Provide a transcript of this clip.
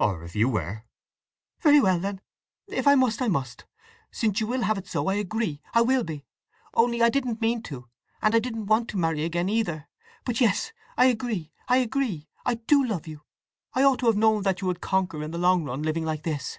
"Or if you were." "Very well then—if I must I must. Since you will have it so, I agree! I will be. Only I didn't mean to! And I didn't want to marry again, either! … But, yes—I agree, I agree! I do love you. I ought to have known that you would conquer in the long run, living like this!"